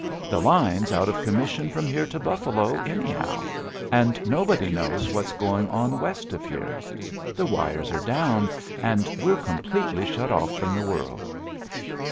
"The line's out of commission from here to Buffalo, anyhow, and nobody knows what's going on west of there. The wires are down, and we're completely shut off from the world."